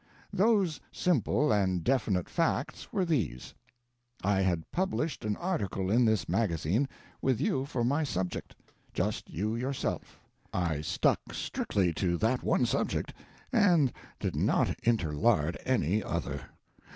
Those simple and definite facts were these: I had published an article in this magazine, with you for my subject; just you yourself; I stuck strictly to that one subject, and did not interlard any other.